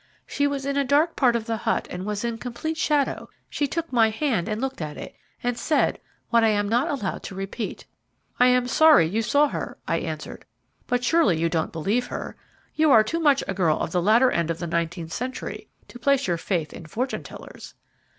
She was in a dark part of the hut and was in complete shadow. She took my hand and looked at it, and said what I am not allowed to repeat." "I am sorry you saw her," I answered, "but surely you don't believe her? You are too much a girl of the latter end of the nineteenth century to place your faith in fortune tellers."